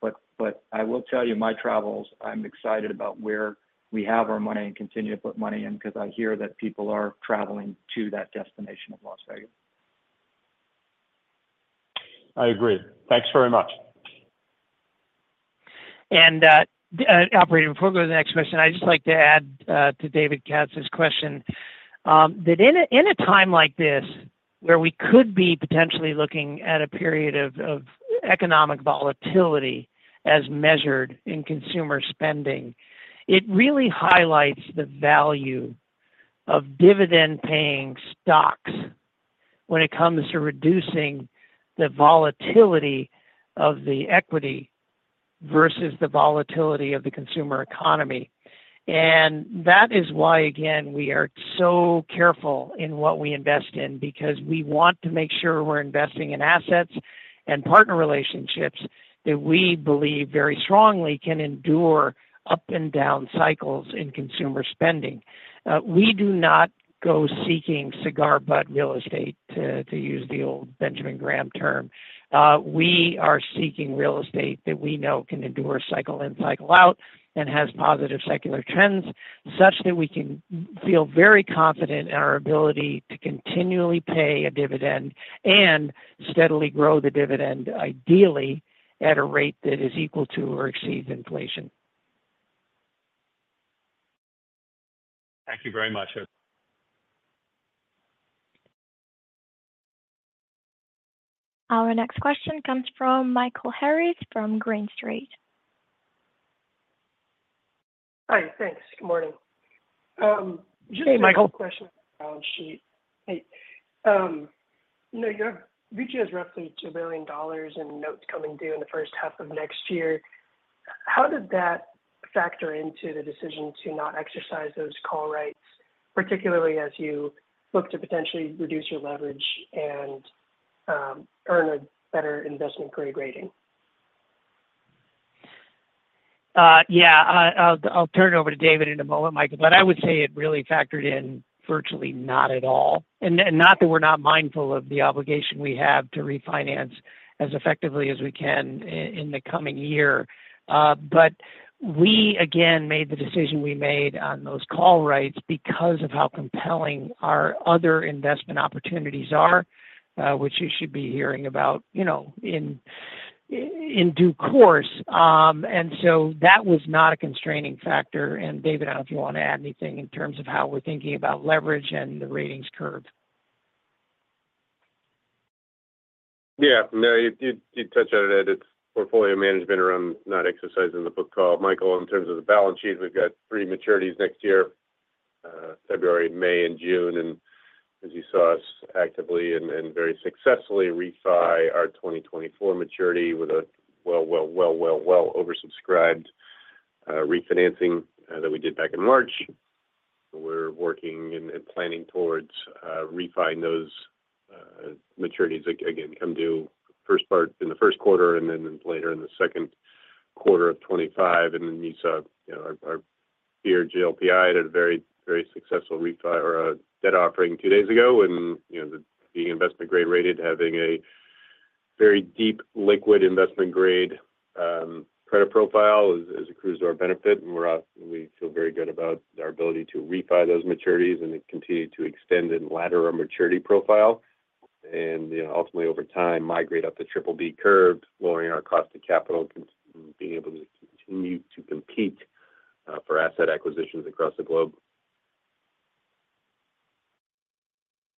But, but I will tell you, my travels, I'm excited about where we have our money and continue to put money in because I hear that people are traveling to that destination of Las Vegas. I agree. Thanks very much. And, operator, before we go to the next question, I'd just like to add to David Katz's question, that in a time like this, where we could be potentially looking at a period of economic volatility as measured in consumer spending, it really highlights the value of dividend-paying stocks when it comes to reducing the volatility of the equity versus the volatility of the consumer economy. And that is why, again, we are so careful in what we invest in, because we want to make sure we're investing in assets... and partner relationships that we believe very strongly can endure up and down cycles in consumer spending. We do not go seeking cigar butt real estate, to use the old Benjamin Graham term. We are seeking real estate that we know can endure cycle in, cycle out, and has positive secular trends, such that we can feel very confident in our ability to continually pay a dividend and steadily grow the dividend, ideally, at a rate that is equal to or exceeds inflation. Thank you very much, sir. Our next question comes from Michael Harris from Green Street. Hi, thanks. Good morning. Hey, Michael. A quick question on balance sheet. Hey, you know, your VICI is roughly $2 billion in notes coming due in the first half of next year. How did that factor into the decision to not exercise those call rights, particularly as you look to potentially reduce your leverage and, earn a better investment-grade rating? Yeah, I'll turn it over to David in a moment, Michael, but I would say it really factored in virtually not at all. And not that we're not mindful of the obligation we have to refinance as effectively as we can in the coming year, but we, again, made the decision we made on those call rights because of how compelling our other investment opportunities are, which you should be hearing about, you know, in due course. And so that was not a constraining factor. And David, I don't know if you want to add anything in terms of how we're thinking about leverage and the ratings curve. Yeah. No, you touched on it, that it's portfolio management around not exercising the put call. Michael, in terms of the balance sheet, we've got three maturities next year, February, May, and June. And as you saw us actively and very successfully refi our 2024 maturity with a well oversubscribed refinancing that we did back in March. We're working and planning towards refining those maturities again come due in the first quarter, and then later in the second quarter of 2025. And then you saw, you know, our peer GLPI had a very, very successful refi or a debt offering two days ago. You know, the being investment-grade rated, having a very deep, liquid investment grade credit profile accrues to our benefit, and we feel very good about our ability to refi those maturities and then continue to extend and ladder our maturity profile. You know, ultimately, over time, migrate up the triple B curves, lowering our cost of capital, being able to continue to compete for asset acquisitions across the globe.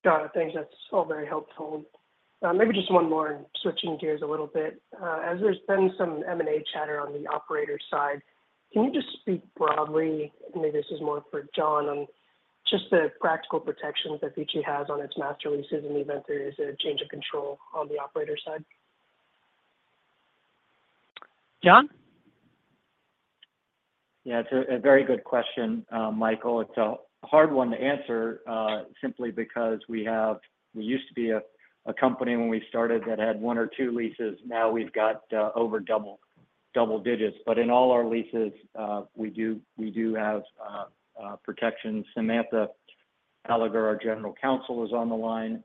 Got it. Thanks. That's all very helpful. Maybe just one more, switching gears a little bit. As there's been some M&A chatter on the operator side, can you just speak broadly, maybe this is more for John, on just the practical protections that VICI has on its master leases in the event there is a change of control on the operator side? John? Yeah, it's a very good question, Michael. It's a hard one to answer simply because we have—we used to be a company when we started that had one or two leases. Now, we've got over double digits. But in all our leases, we do have protections. Samantha Gallagher, our General Counsel, is on the line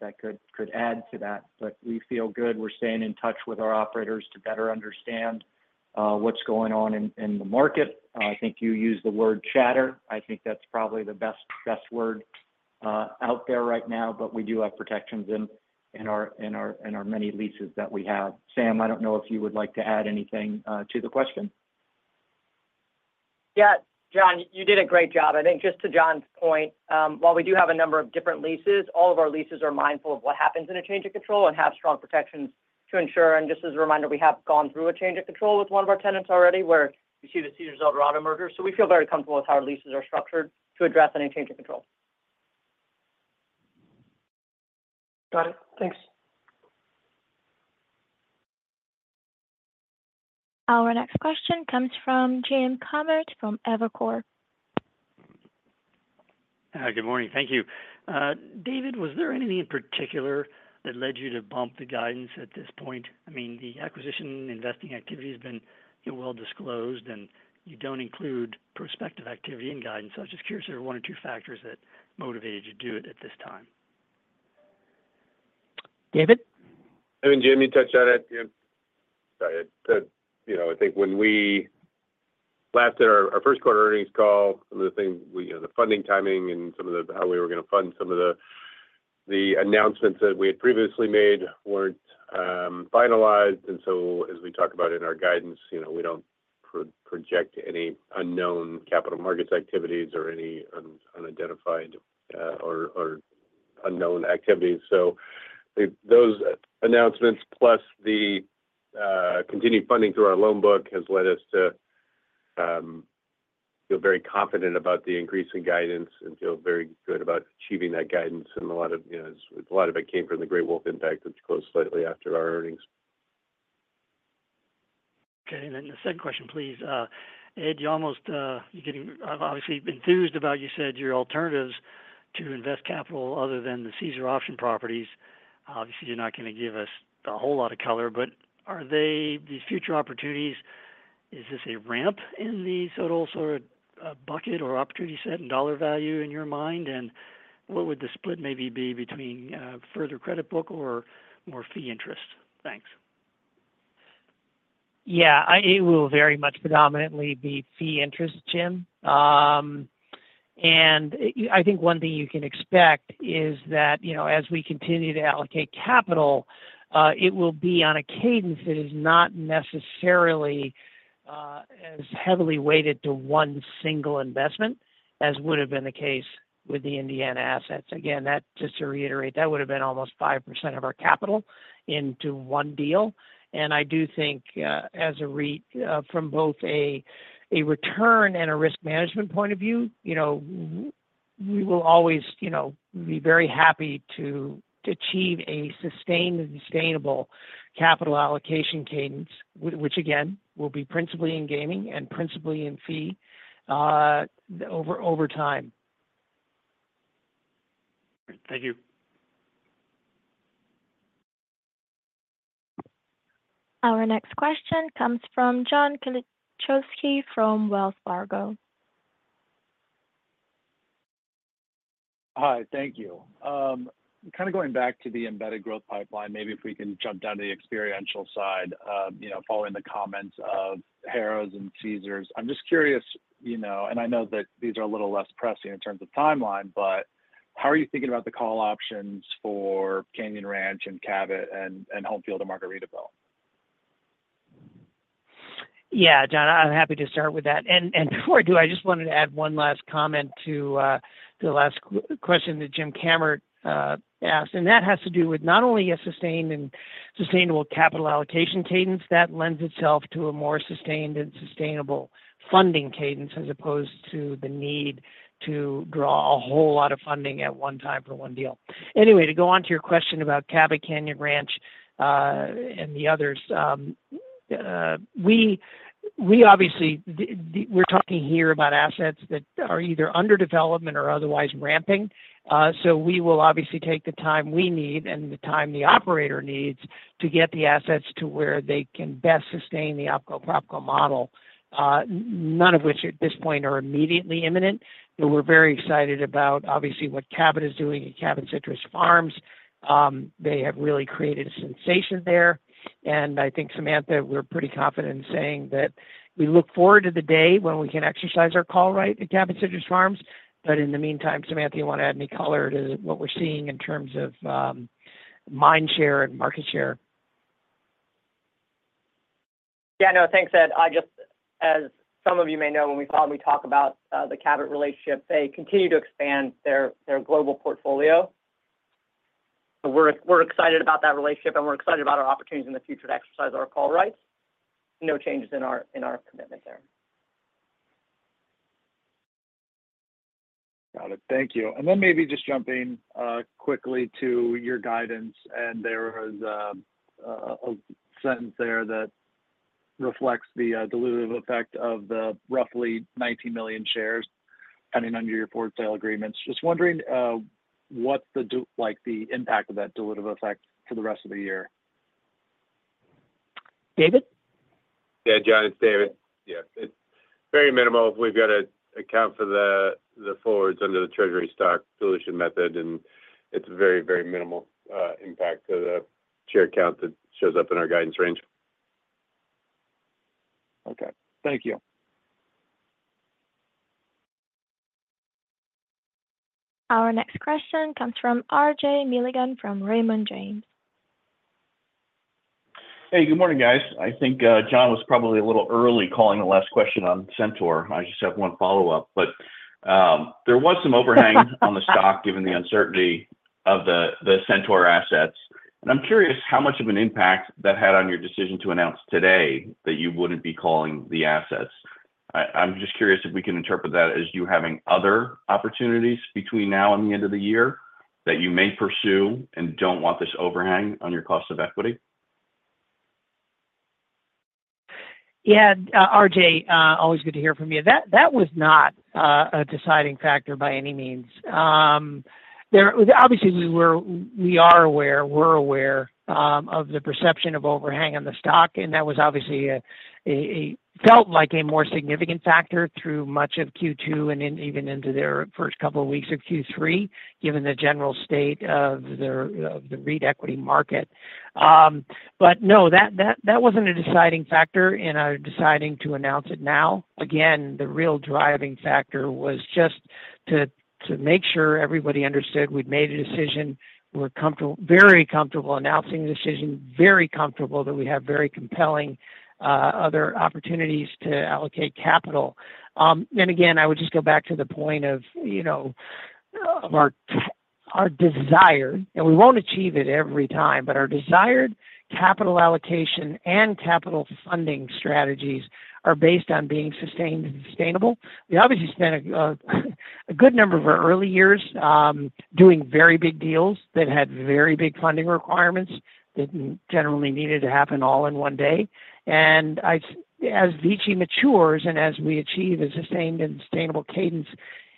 that could add to that. But we feel good. We're staying in touch with our operators to better understand what's going on in the market. I think you used the word chatter. I think that's probably the best word out there right now, but we do have protections in our many leases that we have. Sam, I don't know if you would like to add anything to the question. Yeah. John, you did a great job. I think just to John's point, while we do have a number of different leases, all of our leases are mindful of what happens in a change of control and have strong protections to ensure. And just as a reminder, we have gone through a change of control with one of our tenants already, where you see the Caesars Eldorado merger. So we feel very comfortable with how our leases are structured to address any change of control. Got it. Thanks. Our next question comes from Jim Kammert from Evercore. Good morning. Thank you. David, was there anything in particular that led you to bump the guidance at this point? I mean, the acquisition investing activity has been, you know, well disclosed, and you don't include prospective activity and guidance. So I'm just curious if there are one or two factors that motivated you to do it at this time. David? I mean, Jim, you touched on it. Yeah. Sorry. You know, I think when we last did our first quarter earnings call, some of the things, we, you know, the funding timing and some of the how we were gonna fund some of the announcements that we had previously made weren't finalized. And so as we talk about in our guidance, you know, we don't project any unknown capital markets activities or any unidentified or unknown activities. So if those announcements, plus the continued funding through our loan book, has led us to feel very confident about the increase in guidance and feel very good about achieving that guidance. And a lot of, you know, a lot of it came from the Great Wolf impact, which closed slightly after our earnings call.... Okay, and then the second question, please. Ed, you almost, you're getting obviously enthused about, you said, your alternatives to invest capital other than the Caesars Option properties. Obviously, you're not gonna give us a whole lot of color, but are they, these future opportunities, is this a ramp in the total sort of bucket or opportunity set and dollar value in your mind? And what would the split maybe be between further credit book or more fee interest? Thanks. Yeah, it will very much predominantly be fee interest, Jim. And I think one thing you can expect is that, you know, as we continue to allocate capital, it will be on a cadence that is not necessarily as heavily weighted to one single investment as would have been the case with the Indiana assets. Again, that, just to reiterate, that would have been almost 5% of our capital into one deal. And I do think, as a REIT, from both a return and a risk management point of view, you know, we will always, you know, be very happy to achieve a sustained and sustainable capital allocation cadence, which, again, will be principally in gaming and principally in fee over time. Thank you. Our next question comes from John Kolodziej from Wells Fargo. Hi, thank you. Kind of going back to the embedded growth pipeline, maybe if we can jump down to the experiential side, you know, following the comments of Harrah's and Caesars. I'm just curious, you know, and I know that these are a little less pressing in terms of timeline, but how are you thinking about the call options for Canyon Ranch and Cabot and Homefield and Margaritaville? Yeah, John, I'm happy to start with that. And before I do, I just wanted to add one last comment to the last question that Jim Kammert asked, and that has to do with not only a sustained and sustainable capital allocation cadence that lends itself to a more sustained and sustainable funding cadence, as opposed to the need to draw a whole lot of funding at one time for one deal. Anyway, to go on to your question about Cabot, Canyon Ranch and the others. We obviously, we're talking here about assets that are either under development or otherwise ramping. So we will obviously take the time we need and the time the operator needs to get the assets to where they can best sustain the OpCo, PropCo model, none of which at this point are immediately imminent. But we're very excited about, obviously, what Cabot is doing at Cabot Citrus Farms. They have really created a sensation there, and I think, Samantha, we're pretty confident in saying that we look forward to the day when we can exercise our call right at Cabot Citrus Farms. But in the meantime, Samantha, you want to add any color to what we're seeing in terms of, mind share and market share? Yeah, no, thanks, Ed. I just, as some of you may know, when we thought we'd talk about the Cabot relationship, they continue to expand their global portfolio. We're excited about that relationship, and we're excited about our opportunities in the future to exercise our call rights. No changes in our commitment there. Got it. Thank you. And then maybe just jumping quickly to your guidance, and there was a sentence there that reflects the dilutive effect of the roughly 19 million shares pending under your forward sale agreements. Just wondering, like, the impact of that dilutive effect for the rest of the year? David? Yeah, John, it's David. Yeah, it's very minimal. We've got to account for the forwards under the treasury stock solution method, and it's very, very minimal impact to the share count that shows up in our guidance range. Okay. Thank you. Our next question comes from RJ Milligan from Raymond James. Hey, good morning, guys. I think John was probably a little early calling the last question on Centaur. I just have one follow-up, but there was some overhang on the stock, given the uncertainty of the Centaur assets. And I'm curious how much of an impact that had on your decision to announce today that you wouldn't be calling the assets. I'm just curious if we can interpret that as you having other opportunities between now and the end of the year that you may pursue and don't want this overhang on your cost of equity? Yeah, RJ, always good to hear from you. That was not a deciding factor by any means. Obviously, we were aware, we are aware of the perception of overhang on the stock, and that was obviously a more significant factor through much of Q2 and then even into the first couple of weeks of Q3, given the general state of the REIT equity market. But no, that wasn't a deciding factor in deciding to announce it now. Again, the real driving factor was just to make sure everybody understood we'd made a decision. We're comfortable, very comfortable announcing the decision, very comfortable that we have very compelling other opportunities to allocate capital. Then again, I would just go back to the point of, you know, of our our desire, and we won't achieve it every time, but our desired capital allocation and capital funding strategies are based on being sustained and sustainable. We obviously spent a good number of our early years doing very big deals that had very big funding requirements, that generally needed to happen all in one day. As VICI matures and as we achieve a sustained and sustainable cadence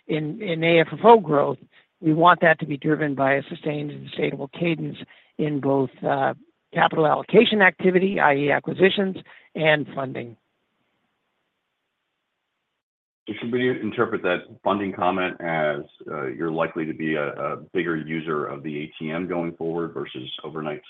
in AFFO growth, we want that to be driven by a sustained and sustainable cadence in both capital allocation activity, i.e., acquisitions and funding. Should we interpret that funding comment as you're likely to be a bigger user of the ATM going forward versus overnights?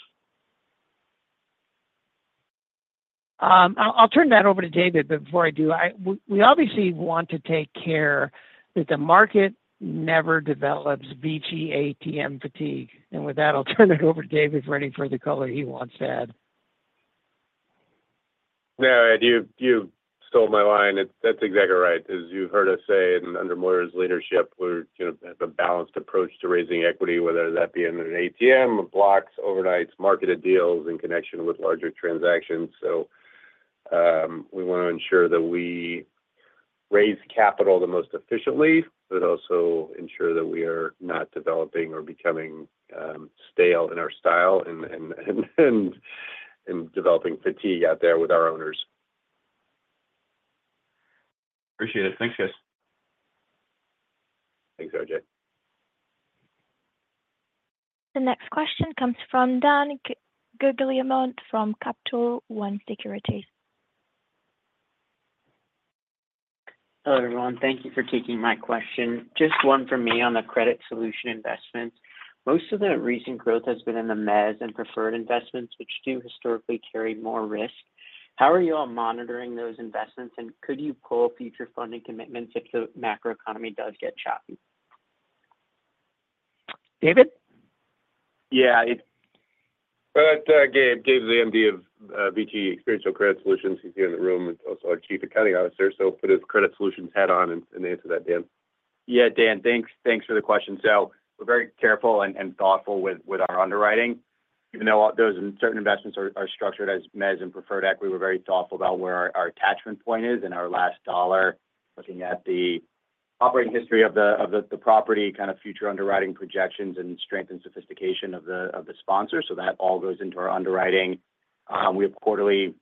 I'll turn that over to David, but before I do, we, we obviously want to take care that the market never develops VICI ATM fatigue. And with that, I'll turn it over to David for any further color he wants to add. No, Ed, you stole my line. That's exactly right. As you heard us say, and under Moira's leadership, we're, you know, have a balanced approach to raising equity, whether that be in an ATM, blocks, overnights, marketed deals in connection with larger transactions. So, we want to ensure that we raise capital the most efficiently, but also ensure that we are not developing or becoming stale in our style and developing fatigue out there with our owners. Appreciate it. Thanks, guys. Thanks, RJ. The next question comes from Dan Guglielmo from Capital One Securities. Hello, everyone. Thank you for taking my question. Just one for me on the credit solution investments. Most of the recent growth has been in the mezz and preferred investments, which do historically carry more risk. How are you all monitoring those investments, and could you pull future funding commitments if the macroeconomy does get choppy? David? Yeah, Gabe, Gabe is the MD of VICI Experiential Credit Solutions. He's here in the room and also our Chief Accounting Officer, so put his credit solutions hat on and answer that, Dan. Yeah, Dan, thanks, thanks for the question. So we're very careful and, and thoughtful with, with our underwriting. Even though all those certain investments are, are structured as mezz and preferred equity, we're very thoughtful about where our attachment point is and our last dollar, looking at the operating history of the property, kind of future underwriting projections and strength and sophistication of the sponsor. So that all goes into our underwriting. We have quarterly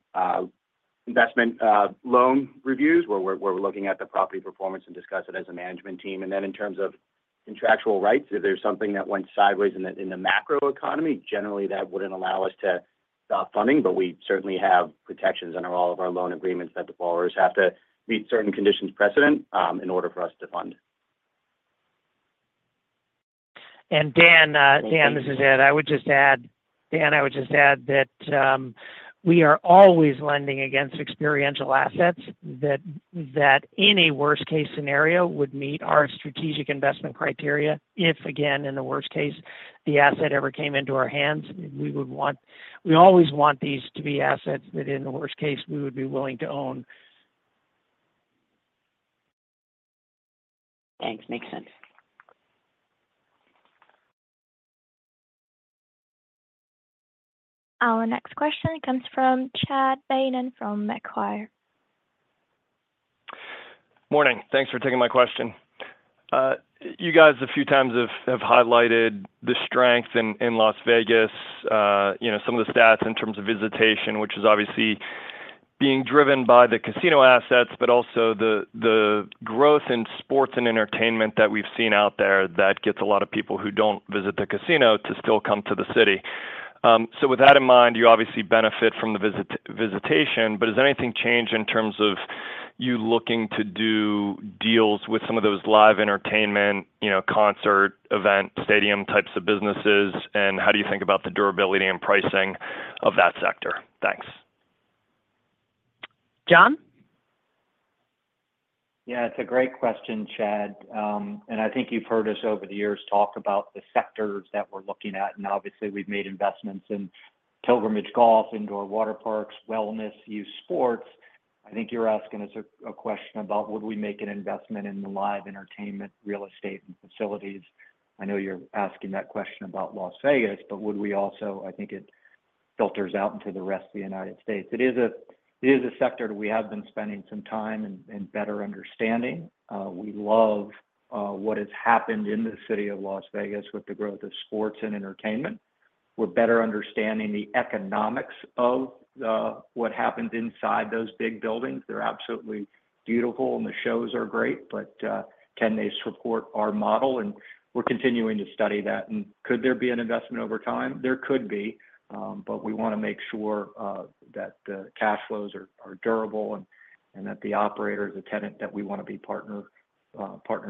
investment loan reviews, where we're looking at the property performance and discuss it as a management team. Then in terms of contractual rights, if there's something that went sideways in the macroeconomy, generally, that wouldn't allow us to stop funding, but we certainly have protections under all of our loan agreements that the borrowers have to meet certain conditions precedent in order for us to fund. And Dan, Dan, this is Ed. I would just add, Dan, I would just add that we are always lending against experiential assets, that any worst case scenario would meet our strategic investment criteria. If, again, in the worst case, the asset ever came into our hands, we would want—we always want these to be assets that, in the worst case, we would be willing to own. Thanks. Makes sense. Our next question comes from Chad Beynon from Macquarie. Morning. Thanks for taking my question. You guys, a few times, have highlighted the strength in Las Vegas, you know, some of the stats in terms of visitation, which is obviously being driven by the casino assets, but also the growth in sports and entertainment that we've seen out there that gets a lot of people who don't visit the casino to still come to the city. So with that in mind, you obviously benefit from the visitation, but has anything changed in terms of you looking to do deals with some of those live entertainment, you know, concert, event, stadium types of businesses? And how do you think about the durability and pricing of that sector? Thanks. John? Yeah, it's a great question, Chad. And I think you've heard us over the years talk about the sectors that we're looking at, and obviously, we've made investments in pilgrimage golf, indoor water parks, wellness, youth sports. I think you're asking us a question about would we make an investment in the live entertainment, real estate, and facilities. I know you're asking that question about Las Vegas, but would we also... I think it filters out into the rest of the United States. It is a sector that we have been spending some time and better understanding. We love what has happened in the city of Las Vegas with the growth of sports and entertainment. We're better understanding the economics of what happens inside those big buildings. They're absolutely beautiful, and the shows are great, but can they support our model? We're continuing to study that. Could there be an investment over time? There could be, but we want to make sure that the cash flows are durable and that the operator is a tenant that we want to be partners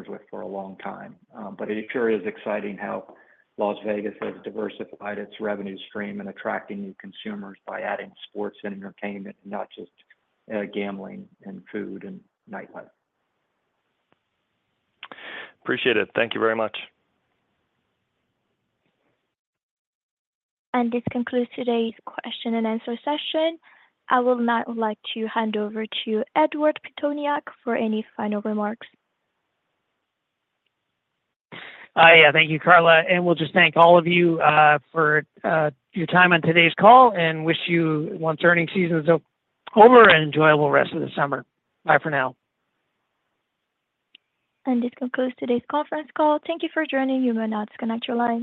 with for a long time. But it sure is exciting how Las Vegas has diversified its revenue stream and attracting new consumers by adding sports and entertainment, not just gambling and food and nightlife. Appreciate it. Thank you very much. This concludes today's question and answer session. I will now like to hand over to Edward Pitoniak for any final remarks. Yeah. Thank you, Carla. And we'll just thank all of you for your time on today's call, and wish you, once earnings season is over, an enjoyable rest of the summer. Bye for now. This concludes today's conference call. Thank you for joining. You may now disconnect your lines.